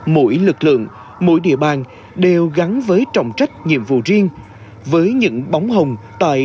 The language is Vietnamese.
mỗi lực lượng mỗi địa bàn đều gắn với trọng trách nhiệm vụ riêng với những bóng hồng tại